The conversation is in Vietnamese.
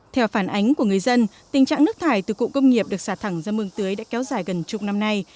theo phản ánh của người dân tình trạng nước thải từ cụm công nghiệp được xả thẳng ra mương tưới đã kéo dài gần chục năm nay